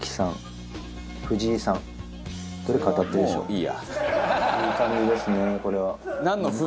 いい感じですねこれは。